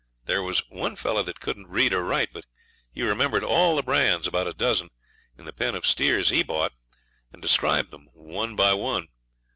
There was one fellow that couldn't read nor write, but he remembered all the brands, about a dozen, in the pen of steers he bought, and described them one by one.